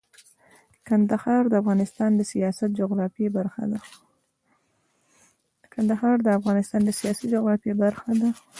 کندهار د افغانستان د سیاسي جغرافیه برخه ده.